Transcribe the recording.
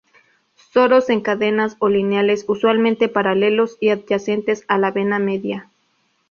Soros en cadenas o lineales, usualmente paralelos y adyacentes a la vena media.